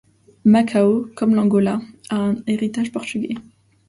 Macao, comme l'Angola, a un héritage portugais.